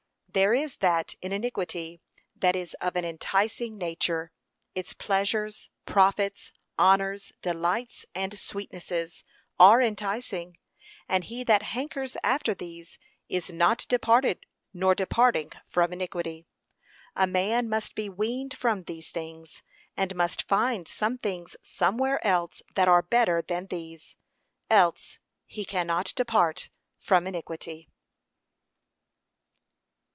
There is that in iniquity that is of an enticing nature. Its pleasures, profits, honours, delights, and sweetnesses are enticing, and he that hankers after these is not departed nor departing from iniquity. A man must be weaned from these things, and must find some things somewhere else that are better than these, else he cannot depart from iniquity.